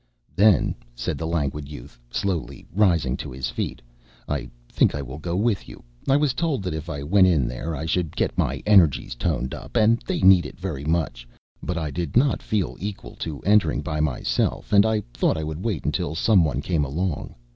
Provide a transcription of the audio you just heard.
"Then," said the Languid Youth, slowly rising to his feet, "I think I will go with you. I was told that if I went in there I should get my energies toned up, and they need it very much; but I did not feel equal to entering by myself, and I thought I would wait until some one came along.